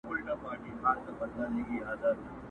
پاس یې کړکۍ ده پکښي دوې خړي هینداري ښکاري!.